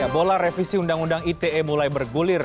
bola revisi undang undang ite